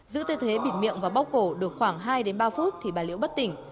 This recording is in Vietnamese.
giữ tư thế bịt miệng và bóc cổ được khoảng hai ba phút thì bà liễu bất tỉnh